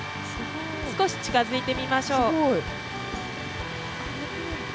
少し近づいてみましょう。